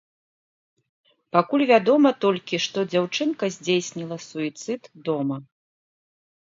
Пакуль вядома толькі, што дзяўчынка здзейсніла суіцыд дома.